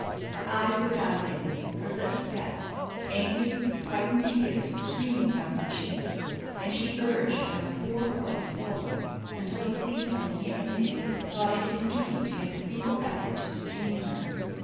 Her eyes were dilated, her lips set; angry, frightened tears were streaming down her cheeks, and she urged her poor horse forward until a policeman here and there thought it his duty to make a feeble effort to detain her.